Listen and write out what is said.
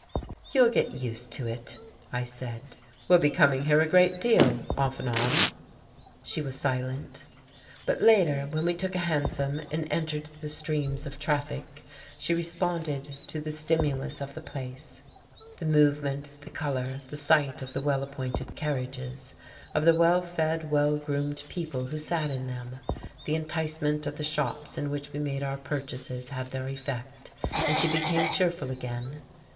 "You'll get used to it," I said. "We'll be coming here a great deal, off and on." She was silent. But later, when we took a hansom and entered the streams of traffic, she responded to the stimulus of the place: the movement, the colour, the sight of the well appointed carriages, of the well fed, well groomed people who sat in them, the enticement of the shops in which we made our purchases had their effect, and she became cheerful again....